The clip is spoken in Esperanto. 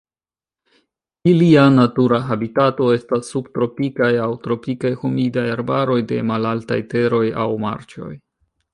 Ilia natura habitato estas subtropikaj aŭ tropikaj humidaj arbaroj de malaltaj teroj aŭ marĉoj.